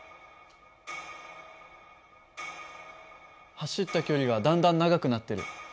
走った距離がだんだん長くなってる。